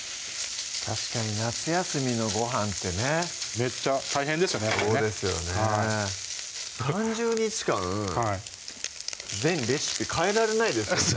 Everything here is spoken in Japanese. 確かに夏休みのごはんってねめっちゃ大変ですよねやっぱねそうですよね３０日間全レシピ変えられないですよね